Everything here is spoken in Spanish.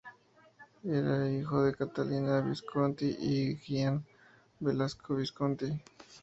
Era hijo de Catalina Visconti y de Gian Galeazzo Visconti.